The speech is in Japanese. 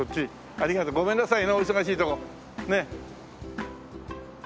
ありがとう。ごめんなさいねお忙しいとこ。